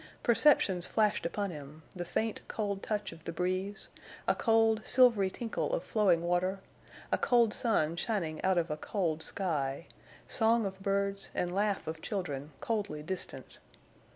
Perceptions flashed upon him, the faint, cold touch of the breeze, a cold, silvery tinkle of flowing water, a cold sun shining out of a cold sky, song of birds and laugh of children, coldly distant.